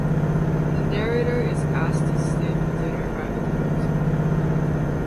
The narrator is asked to stay for dinner by the count.